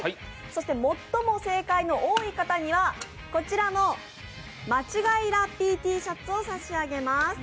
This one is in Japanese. そして最も正解の多い方には、こちらの間違いラッピーＴシャツを差し上げます。